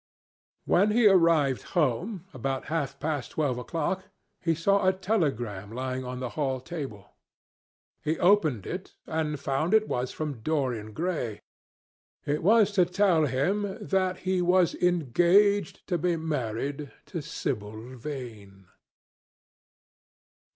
When he arrived home, about half past twelve o'clock, he saw a telegram lying on the hall table. He opened it and found it was from Dorian Gray. It was to tell him that he was engaged to be married to Sibyl Vane.